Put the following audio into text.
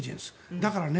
だから、猫。